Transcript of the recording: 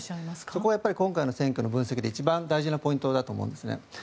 そこは今回の選挙の分析で一番大事なポイントだと思うんですね。